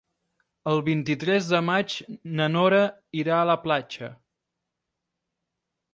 El vint-i-tres de maig na Nora irà a la platja.